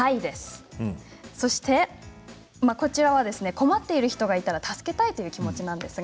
困っている人がいたら助けたいという気持ちです。